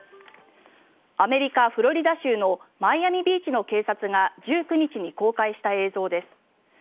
アメリカ・フロリダ州のマイアミビーチの警察が１９日に公開した映像です。